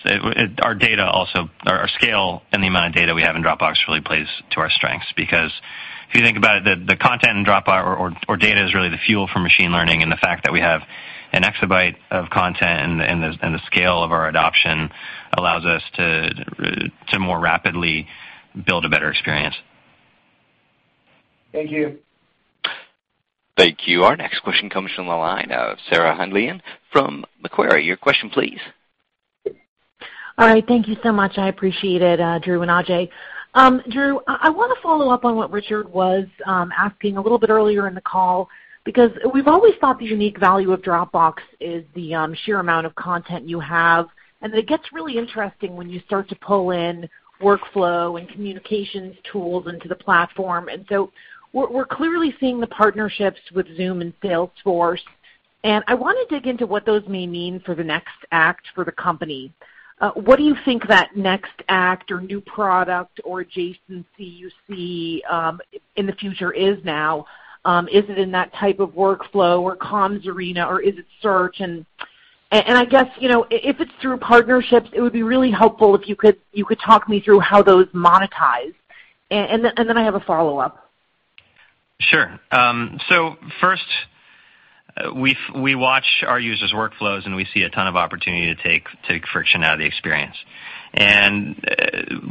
our scale and the amount of data we have in Dropbox really plays to our strengths because if you think about it, the content in Dropbox or data is really the fuel for machine learning, and the fact that we have an exabyte of content and the scale of our adoption allows us to more rapidly build a better experience. Thank you. Thank you. Our next question comes from the line of Sarah Hindlian from Macquarie. Your question, please. All right. Thank you so much. I appreciate it, Drew and Ajay. Drew, I want to follow up on what Richard was asking a little bit earlier in the call, because we've always thought the unique value of Dropbox is the sheer amount of content you have, and that it gets really interesting when you start to pull in workflow and communications tools into the platform. So we're clearly seeing the partnerships with Zoom and Salesforce, and I want to dig into what those may mean for the next act for the company. What do you think that next act or new product or adjacency you see in the future is now? Is it in that type of workflow or comms arena, or is it search? I guess if it's through partnerships, it would be really helpful if you could talk me through how those monetize. Then I have a follow-up. Sure. First, we watch our users' workflows, and we see a ton of opportunity to take friction out of the experience. The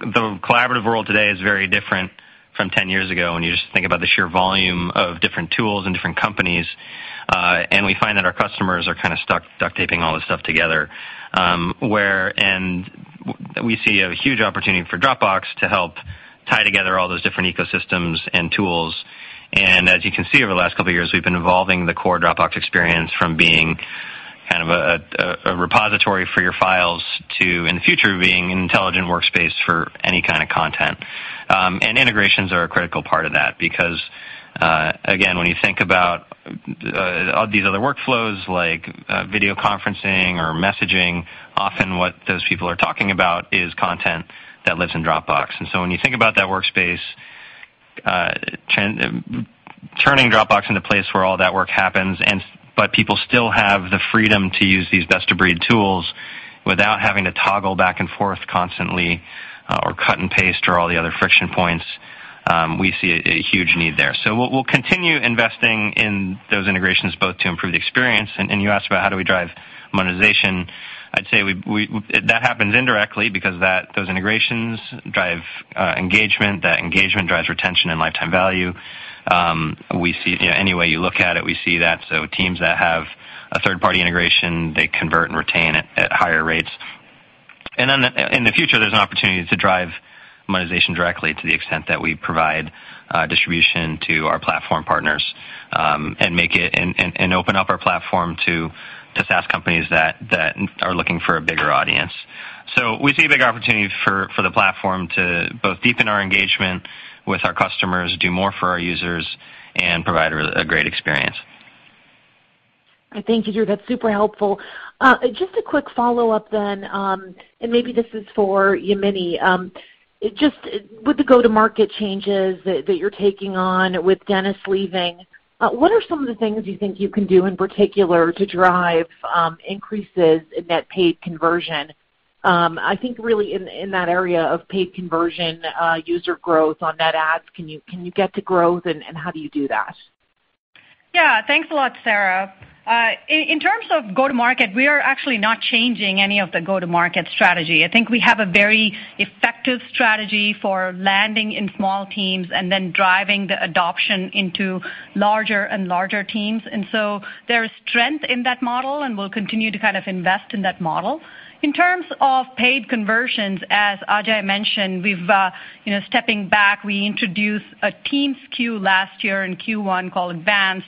collaborative world today is very different from 10 years ago when you just think about the sheer volume of different tools and different companies. We find that our customers are kind of stuck duct taping all this stuff together. We see a huge opportunity for Dropbox to help tie together all those different ecosystems and tools. As you can see, over the last couple of years, we've been evolving the core Dropbox experience from being kind of a repository for your files to, in the future, being an intelligent workspace for any kind of content. Integrations are a critical part of that because. Again, when you think about these other workflows like video conferencing or messaging, often what those people are talking about is content that lives in Dropbox. When you think about that workspace, turning Dropbox into a place where all that work happens, but people still have the freedom to use these best-of-breed tools without having to toggle back and forth constantly or cut and paste or all the other friction points, we see a huge need there. We'll continue investing in those integrations both to improve the experience, and you asked about how do we drive monetization. I'd say that happens indirectly because those integrations drive engagement, that engagement drives retention and lifetime value. Any way you look at it, we see that. Teams that have a third-party integration, they convert and retain at higher rates. In the future, there's an opportunity to drive monetization directly to the extent that we provide distribution to our platform partners, and open up our platform to the SaaS companies that are looking for a bigger audience. We see a big opportunity for the platform to both deepen our engagement with our customers, do more for our users, and provide a great experience. Thank you, Drew. That's super helpful. Just a quick follow-up then. Maybe this is for Yamini. Just with the go-to-market changes that you're taking on with Dennis leaving, what are some of the things you think you can do in particular to drive increases in net paid conversion? I think really in that area of paid conversion, user growth on net adds, can you get to growth, and how do you do that? Yeah. Thanks a lot, Sarah. In terms of go-to-market, we are actually not changing any of the go-to-market strategy. I think we have a very effective strategy for landing in small teams and then driving the adoption into larger and larger teams. There is strength in that model, and we'll continue to kind of invest in that model. In terms of paid conversions, as Ajay mentioned, stepping back, we introduced a teams SKU last year in Q1 called Advanced.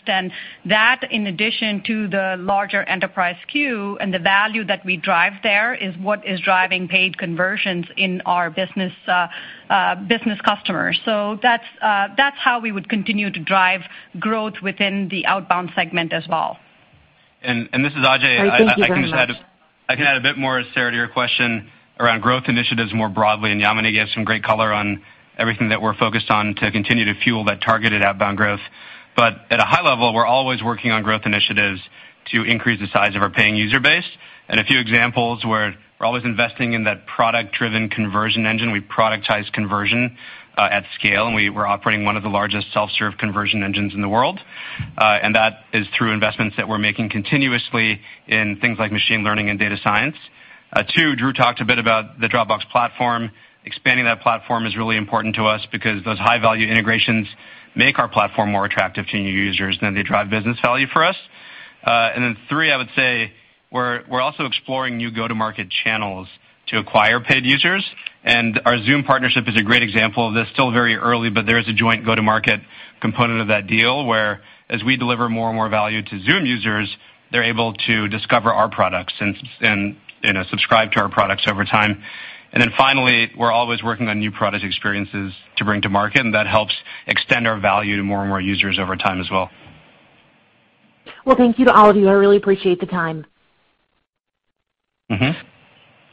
That in addition to the larger enterprise SKU, and the value that we drive there is what is driving paid conversions in our business customers. That's how we would continue to drive growth within the outbound segment as well. This is Ajay. Thank you very much. I can add a bit more, Sarah, to your question around growth initiatives more broadly, and Yamini gave some great color on everything that we're focused on to continue to fuel that targeted outbound growth. At a high level, we're always working on growth initiatives to increase the size of our paying user base. A few examples where we're always investing in that product-driven conversion engine. We productize conversion at scale, and we're operating one of the largest self-serve conversion engines in the world. That is through investments that we're making continuously in things like machine learning and data science. Two, Drew talked a bit about the Dropbox platform. Expanding that platform is really important to us because those high-value integrations make our platform more attractive to new users, then they drive business value for us. Three, I would say we're also exploring new go-to-market channels to acquire paid users, and our Zoom partnership is a great example of this. Still very early, but there is a joint go-to-market component of that deal where as we deliver more and more value to Zoom users, they're able to discover our products and subscribe to our products over time. Finally, we're always working on new product experiences to bring to market, and that helps extend our value to more and more users over time as well. Thank you to all of you. I really appreciate the time.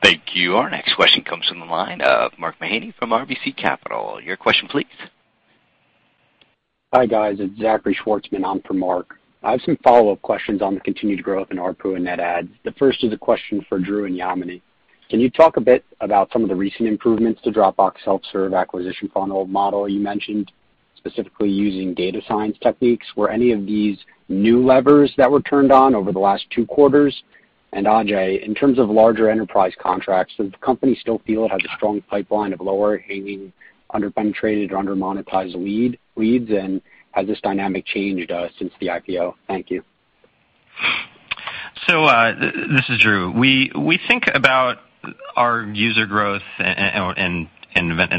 Thank you. Our next question comes from the line of Mark Mahaney from RBC Capital. Your question please. Hi, guys. It's Zachary Schwartzman. I'm for Mark. I have some follow-up questions on the continued growth in ARPU and net adds. The first is a question for Drew and Yamini. Can you talk a bit about some of the recent improvements to Dropbox self-serve acquisition funnel model you mentioned, specifically using data science techniques? Were any of these new levers that were turned on over the last two quarters? Ajay, in terms of larger enterprise contracts, does the company still feel it has a strong pipeline of lower hanging, under-penetrated, or under-monetized leads? Has this dynamic changed since the IPO? Thank you. This is Drew. We think about our user growth and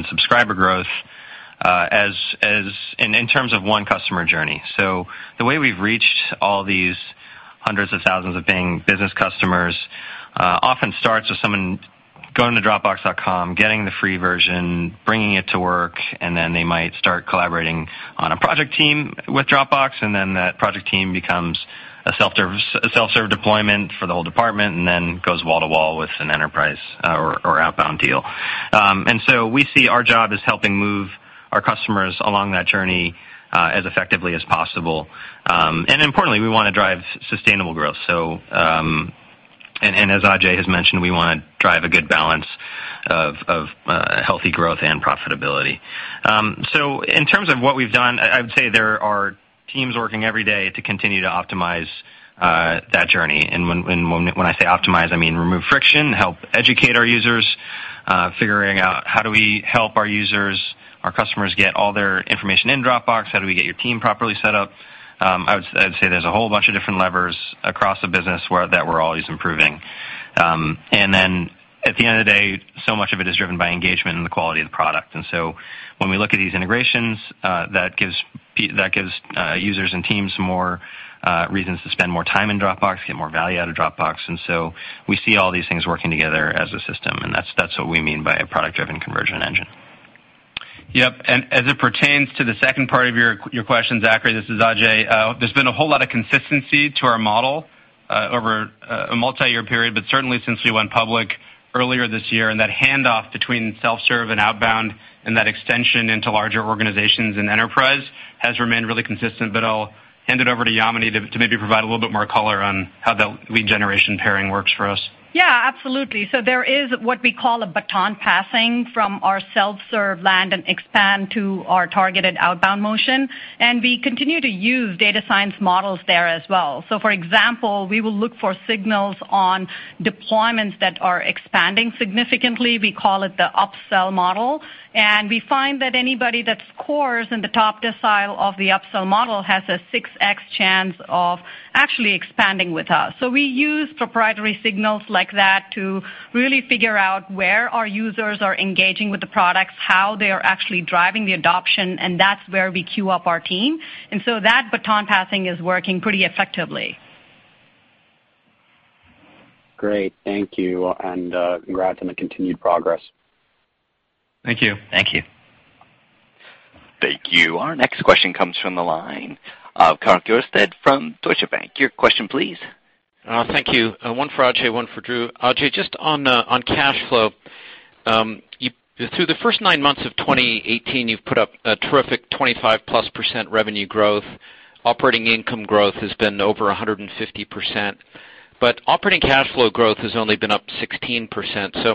subscriber growth in terms of one customer journey. The way we've reached all these hundreds of thousands of paying business customers often starts with someone going to dropbox.com, getting the free version, bringing it to work, and then they might start collaborating on a project team with Dropbox, and then that project team becomes a self-serve deployment for the whole department, and then goes wall to wall with an enterprise or outbound deal. We see our job as helping move our customers along that journey as effectively as possible. Importantly, we want to drive sustainable growth. As Ajay has mentioned, we want to drive a good balance of healthy growth and profitability. In terms of what we've done, I would say there are teams working every day to continue to optimize that journey. When I say optimize, I mean remove friction, help educate our users, figuring out how do we help our users, our customers, get all their information in Dropbox, how do we get your team properly set up? I would say there's a whole bunch of different levers across the business that we're always improving. At the end of the day, so much of it is driven by engagement and the quality of the product. When we look at these integrations, that gives users and teams more reasons to spend more time in Dropbox, get more value out of Dropbox. We see all these things working together as a system, and that's what we mean by a product-driven conversion engine. Yep. As it pertains to the second part of your question, Zachary, this is Ajay. There's been a whole lot of consistency to our model over a multi-year period, certainly since we went public earlier this year, and that handoff between self-serve and outbound and that extension into larger organizations and enterprise has remained really consistent. I'll hand it over to Yamini to maybe provide a little bit more color on how that lead generation pairing works for us. Yeah, absolutely. There is what we call a baton passing from our self-serve land and expand to our targeted outbound motion, and we continue to use data science models there as well. For example, we will look for signals on deployments that are expanding significantly. We call it the up-sell model, and we find that anybody that scores in the top decile of the up-sell model has a 6x chance of actually expanding with us. We use proprietary signals like that to really figure out where our users are engaging with the products, how they are actually driving the adoption, and that's where we queue up our team. That baton passing is working pretty effectively. Great. Thank you. Congrats on the continued progress. Thank you. Thank you. Thank you. Our next question comes from the line of Karl Keirstead from Deutsche Bank. Your question, please. Thank you. One for Ajay, one for Drew. Ajay, just on cash flow, through the first nine months of 2018, you've put up a terrific 25-plus% revenue growth. Operating income growth has been over 150%, but operating cash flow growth has only been up 16%, so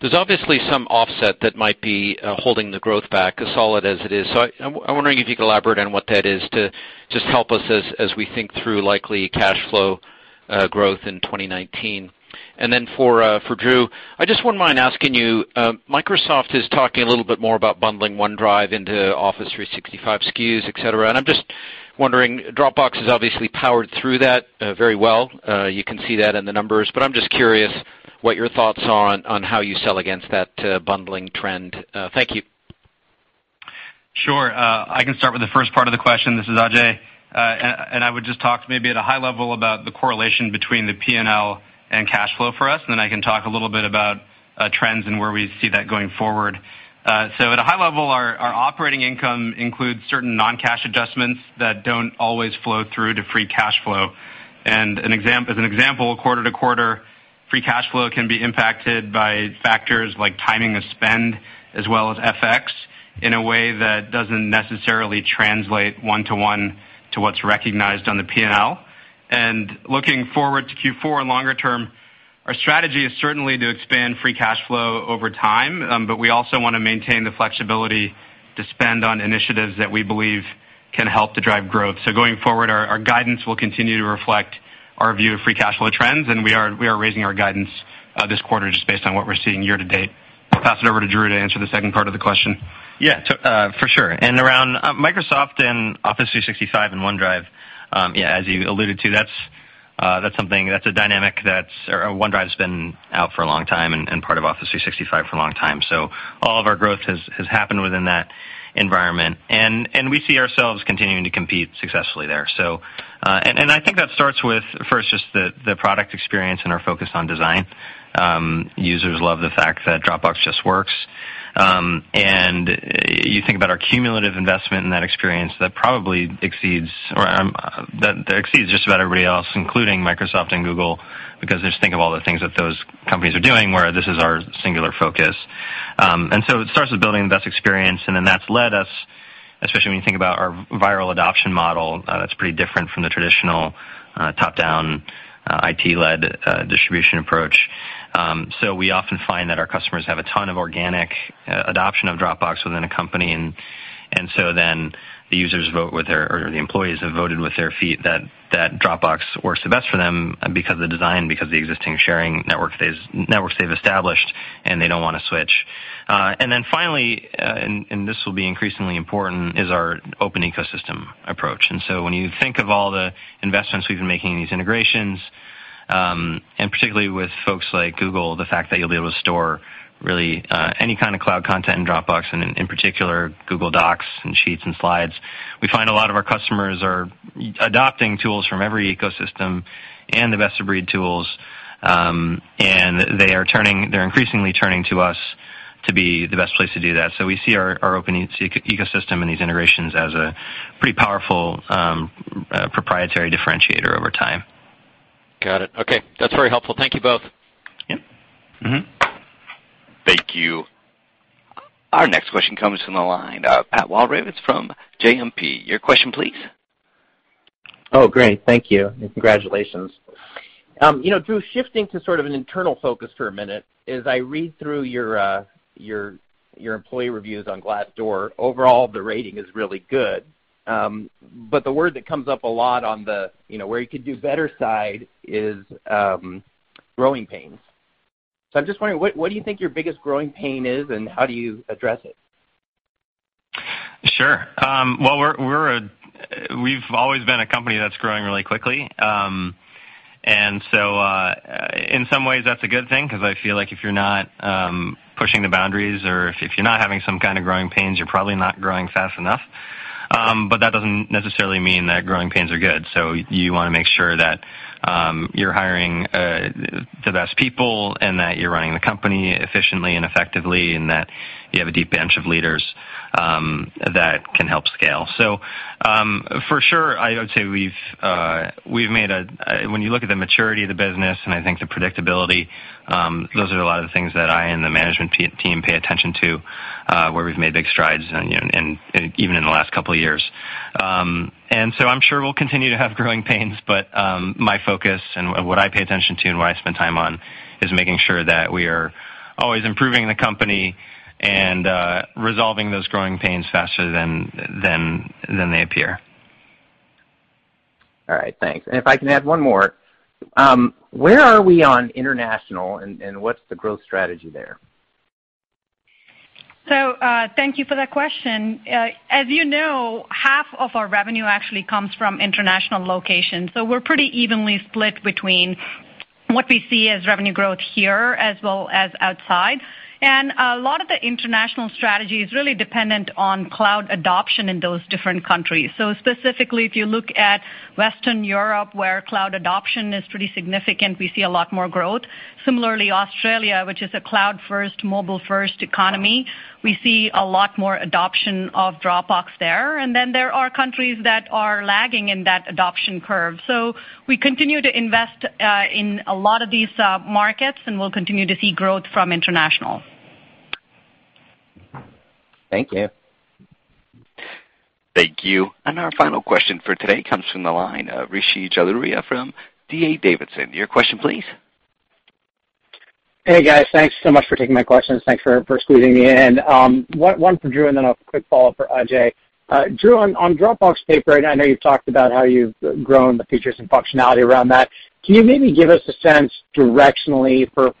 there's obviously some offset that might be holding the growth back, as solid as it is. I'm wondering if you could elaborate on what that is to just help us as we think through likely cash flow growth in 2019. For Drew, I just wouldn't mind asking you, Microsoft is talking a little bit more about bundling OneDrive into Office 365 SKUs, et cetera, and I'm just wondering, Dropbox has obviously powered through that very well. You can see that in the numbers, but I'm just curious what your thoughts are on how you sell against that bundling trend. Thank you. Sure. I can start with the first part of the question. This is Ajay. I would just talk maybe at a high level about the correlation between the P&L and cash flow for us, then I can talk a little bit about trends and where we see that going forward. At a high level, our operating income includes certain non-cash adjustments that don't always flow through to free cash flow. As an example, quarter to quarter, free cash flow can be impacted by factors like timing of spend as well as FX in a way that doesn't necessarily translate one-to-one to what's recognized on the P&L. Looking forward to Q4 and longer term, our strategy is certainly to expand free cash flow over time, but we also want to maintain the flexibility to spend on initiatives that we believe can help to drive growth. Going forward, our guidance will continue to reflect our view of free cash flow trends, and we are raising our guidance this quarter just based on what we're seeing year to date. I'll pass it over to Drew to answer the second part of the question. Yeah, for sure. Around Microsoft and Office 365 and OneDrive, as you alluded to, that's a dynamic that's OneDrive's been out for a long time and part of Office 365 for a long time. All of our growth has happened within that environment, and we see ourselves continuing to compete successfully there. I think that starts with, first, just the product experience and our focus on design. Users love the fact that Dropbox just works. You think about our cumulative investment in that experience, that exceeds just about everybody else, including Microsoft and Google, because just think of all the things that those companies are doing, where this is our singular focus. It starts with building the best experience, then that's led us, especially when you think about our viral adoption model, that's pretty different from the traditional top-down, IT-led distribution approach. We often find that our customers have a ton of organic adoption of Dropbox within a company. The employees have voted with their feet that Dropbox works the best for them because the design, because the existing sharing networks they've established, and they don't want to switch. Finally, and this will be increasingly important, is our open ecosystem approach. When you think of all the investments we've been making in these integrations, and particularly with folks like Google, the fact that you'll be able to store really any kind of cloud content in Dropbox, and in particular Google Docs and Sheets and Slides. We find a lot of our customers are adopting tools from every ecosystem and the best-of-breed tools, and they're increasingly turning to us to be the best place to do that. We see our open ecosystem and these integrations as a pretty powerful proprietary differentiator over time. Got it. Okay. That's very helpful. Thank you both. Yep. Thank you. Our next question comes from the line of Pat Walravens from JMP. Your question, please. Great. Thank you, and congratulations. Drew, shifting to sort of an internal focus for a minute, as I read through your employee reviews on Glassdoor, overall, the rating is really good. The word that comes up a lot on the where you could do better side is growing pains. I'm just wondering, what do you think your biggest growing pain is, and how do you address it? Sure. Well, we've always been a company that's growing really quickly. In some ways, that's a good thing because I feel like if you're not pushing the boundaries or if you're not having some kind of growing pains, you're probably not growing fast enough. That doesn't necessarily mean that growing pains are good. You want to make sure that you're hiring the best people and that you're running the company efficiently and effectively, and that you have a deep bench of leaders that can help scale. For sure, I would say when you look at the maturity of the business, and I think the predictability, those are a lot of the things that I and the management team pay attention to, where we've made big strides, and even in the last couple of years. I'm sure we'll continue to have growing pains, my focus and what I pay attention to and what I spend time on is making sure that we are always improving the company and resolving those growing pains faster than they appear. All right. Thanks. If I can add one more, where are we on international, and what's the growth strategy there? Thank you for that question. As you know, half of our revenue actually comes from international locations, so we're pretty evenly split between what we see as revenue growth here as well as outside. A lot of the international strategy is really dependent on cloud adoption in those different countries. Specifically, if you look at Western Europe, where cloud adoption is pretty significant, we see a lot more growth. Similarly, Australia, which is a cloud-first, mobile-first economy, we see a lot more adoption of Dropbox there. There are countries that are lagging in that adoption curve. We continue to invest in a lot of these markets, and we'll continue to see growth from international. Thank you. Thank you. Our final question for today comes from the line of Rishi Jaluria from D.A. Davidson. Your question, please. Hey, guys. Thanks so much for taking my questions. Thanks for squeezing me in. One for Drew, a quick follow-up for Ajay. Drew, on Dropbox Paper, I know you've talked about how you've grown the features and functionality around that. Can you maybe give us a sense directionally for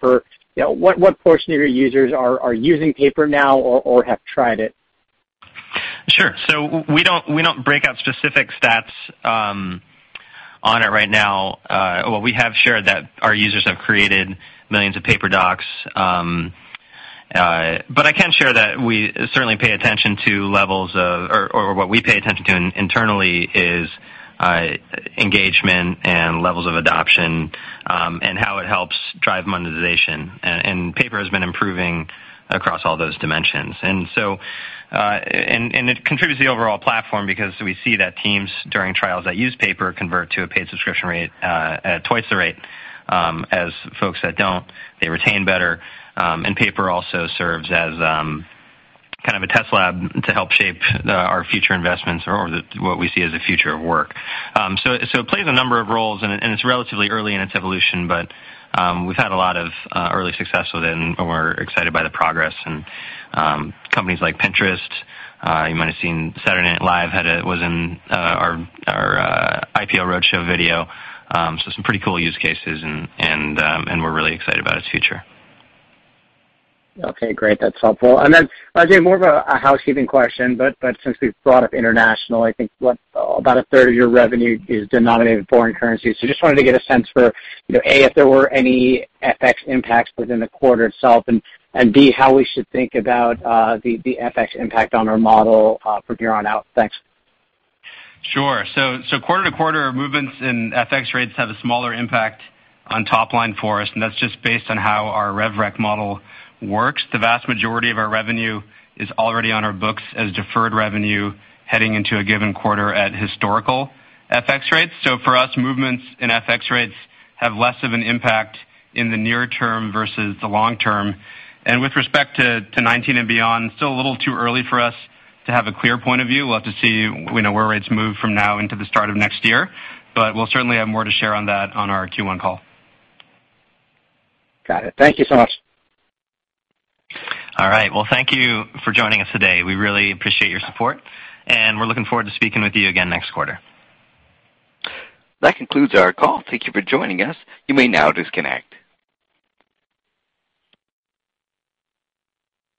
what portion of your users are using Paper now or have tried it? Sure. We don't break out specific stats on it right now. We have shared that our users have created millions of Paper docs. I can share that what we pay attention to internally is engagement and levels of adoption, and how it helps drive monetization. Paper has been improving across all those dimensions. It contributes to the overall platform because we see that teams during trials that use Paper convert to a paid subscription rate at twice the rate as folks that don't. They retain better, and Paper also serves as a test lab to help shape our future investments or what we see as the future of work. It plays a number of roles, and it's relatively early in its evolution, but we've had a lot of early success with it and we're excited by the progress, and companies like Pinterest, you might have seen Saturday Night Live was in our IPO roadshow video. Some pretty cool use cases, and we're really excited about its future. Okay, great. That's helpful. Then Ajay, more of a housekeeping question, but since we've brought up international, I think about a third of your revenue is denominated in foreign currency. Just wanted to get a sense for, A, if there were any FX impacts within the quarter itself, and B, how we should think about the FX impact on our model from here on out. Thanks. Sure. Quarter-to-quarter movements in FX rates have a smaller impact on top line for us, and that's just based on how our rev rec model works. The vast majority of our revenue is already on our books as deferred revenue heading into a given quarter at historical FX rates. For us, movements in FX rates have less of an impact in the near term versus the long term. With respect to 2019 and beyond, still a little too early for us to have a clear point of view. We'll have to see where rates move from now into the start of next year, but we'll certainly have more to share on that on our Q1 call. Got it. Thank you so much. All right. Well, thank you for joining us today. We really appreciate your support, and we're looking forward to speaking with you again next quarter. That concludes our call. Thank you for joining us. You may now disconnect.